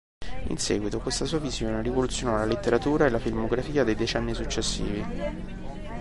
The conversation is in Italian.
In seguito, questa sua visione rivoluzionò la letteratura e la filmografia dei decenni successivi.